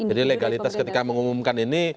jadi legalitas ketika mengumumkan ini